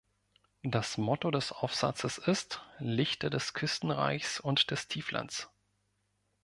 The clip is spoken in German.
Das Motto des Aufsatzes ist „Lichter des Küstenreichs und des Tieflands“.